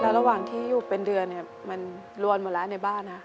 แต่ระหว่างที่อยู่เป็นเดือนมันรวนหมดแล้วในบ้านนะ